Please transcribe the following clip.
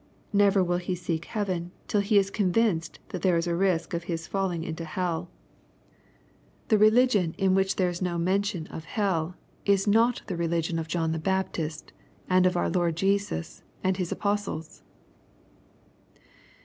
Never will he seek heaven till he is convinced that there is risk of his falling into hell. The religion in which there is no mention of LUKB^ OHAP. III. 91 hell, is not tke religion of John the Baptist^ and of our Lord Jesus, and His apostles.